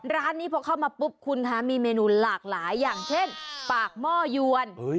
ร้านนี้พอเข้ามาปุ๊บคุณคะมีเมนูหลากหลายอย่างเช่นปากหม้อยวน